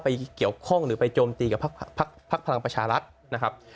เกี่ยวข้องหรือไปโจมตีกับพักพลังประชารัฐนะครับ